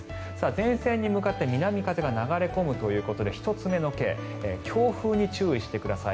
前線に向かって南風が流れ込むということで１つ目のＫ強風に注意してください。